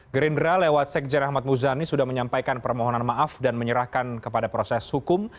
gerindra lewat sekjen ahmad muzani sudah menyampaikan permohonan maaf dan menyerahkan kepada proses hukum